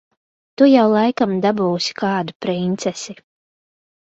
Tu jau laikam dabūsi kādu princesi.